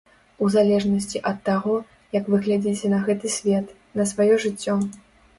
У залежнасці ад таго, як вы глядзіце на гэты свет, на сваё жыццё.